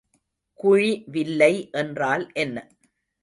குழிவில்லை என்றால் என்ன?